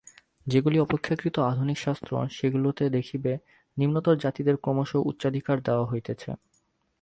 যেগুলি অপেক্ষাকৃত আধুনিক শাস্ত্র, সেগুলিতে দেখিবে নিম্নতর জাতিদের ক্রমশ উচ্চাধিকার দেওয়া হইতেছে।